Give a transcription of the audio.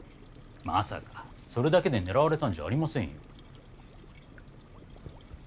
まさかそれだけで狙われたんじゃありませんよ。